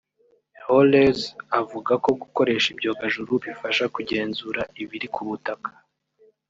Holecz avuga ko gukoresha ibyogajuru bifasha kugenzura ibiri ku butaka